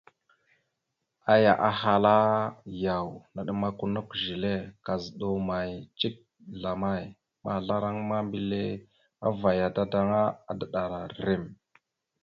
Aya ahala: « Yaw, naɗəmakw a nakw zile, kazəɗaw amay cik zlamay? » Mazlaraŋa ma, mbile avayara dadaŋŋa, adaɗəra rrem.